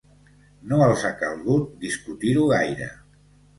No els ha calgut discutir-ho gaire.